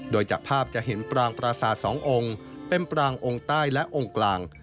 โดยจากภาพจะเห็นปรางปราศาสตร์สององค์เป็นปรางองค์ใต้และองค์กลาง